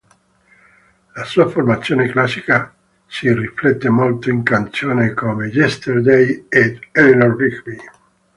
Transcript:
La sua formazione classica si riflette molto in canzoni come "Yesterday" ed "Eleanor Rigby".